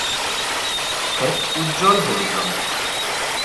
ঠোঁট উজ্জ্বল হলুদ রঙের।